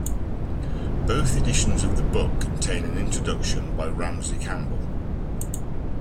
Both editions of the book contain an introduction by Ramsey Campbell.